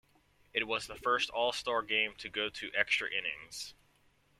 It was the first All-Star game to go to extra innings.